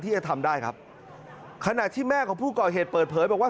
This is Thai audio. จะทำได้ครับขณะที่แม่ของผู้ก่อเหตุเปิดเผยบอกว่า